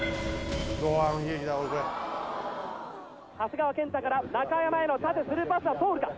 長谷川健太から中山への縦スルーパスは通るか。